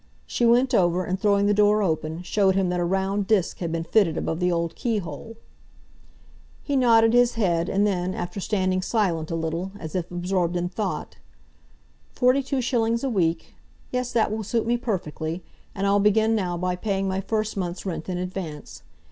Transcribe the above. She went over, and throwing the door open, showed him that a round disk had been fitted above the old keyhole. He nodded his head, and then, after standing silent a little, as if absorbed in thought, "Forty two shillings a week? Yes, that will suit me perfectly. And I'll begin now by paying my first month's rent in advance.